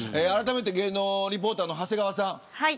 あらためて芸能リポーターの長谷川さん